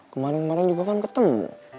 kemarin kemarin juga kan ketemu